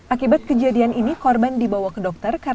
akibat kejadian ini korban dibawa ke dokter